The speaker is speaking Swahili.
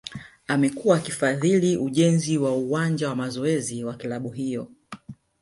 Amekuwa akifadhili ujenzi wa uwanja wa mazoezi wa klabu hiyo